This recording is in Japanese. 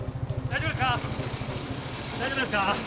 大丈夫ですか？